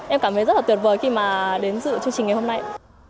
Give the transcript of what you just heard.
em cảm thấy rất là tuyệt vời khi mà đến dự chương trình ngày hôm nay